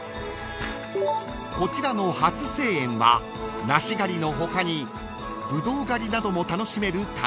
［こちらの初清園は梨狩りの他にブドウ狩りなども楽しめる観光農園］